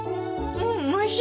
うんおいしい。